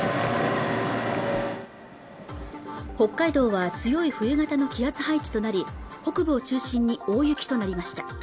北海道は強い冬型の気圧配置となり北部を中心に大雪となりました